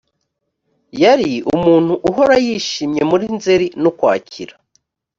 yari umuntu uhora yishimye muri nzeri n’ukwakira